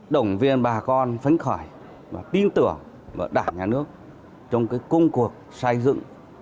đồng viên bà con phấn khỏi và tin tưởng vào đảng nhà nước trong công cuộc xây dựng